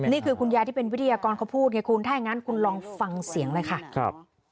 นี่คือคุณยายที่เป็นวิทยากรเขาพูดถ้าอย่างนั้นคุณลองฟังเสียงเลยค่ะ